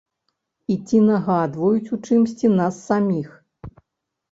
І ці нагадваюць у чымсьці нас саміх?